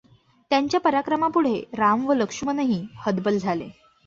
त्यांच्या पराक्रमापुढे राम व ल्क्ष्मणही हतबल झाले.